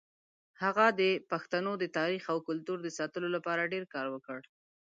هغه د پښتنو د تاریخ او کلتور د ساتلو لپاره ډېر کار وکړ.